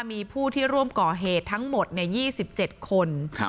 มีผู้ที่ร่วมก่อเหตุทั้งหมด๒๗คน